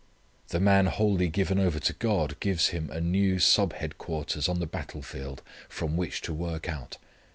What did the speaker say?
The man wholly given over to God gives Him a new sub headquarters on the battle field from which to work out.